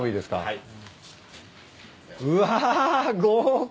はい。